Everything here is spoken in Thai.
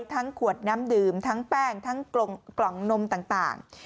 ขวดน้ำดื่มทั้งแป้งทั้งกล่องนมต่าง